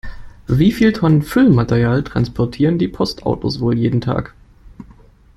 Wie viele Tonnen Füllmaterial transportieren die Postautos wohl jeden Tag?